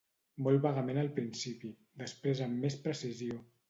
Molt vagament al principi, després amb més precisió